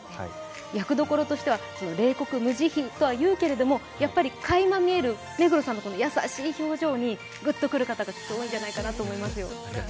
役どころとしては冷酷無慈悲とはいうけれどもやはり、かいま見える目黒さんの優しい表情にグッとくる方が多いんじゃないかと思います。